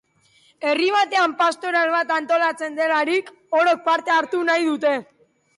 Herri batean pastoral bat antolatzen delarik, orok parte hartu nahi dute.